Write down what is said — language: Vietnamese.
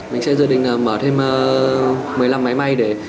mình sẽ dự định mở thêm một mươi năm máy may để